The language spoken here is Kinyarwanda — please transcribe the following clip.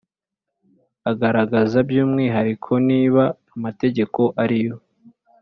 agaragaza by umwihariko niba amategeko ariyo